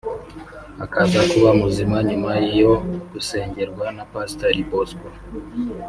akaza kuba muzima nyuma yo gusengerwa na Pastor Bosco